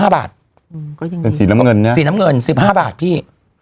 ๑๕บาทเป็นสีน้ำเงิน๑๕บาทพี่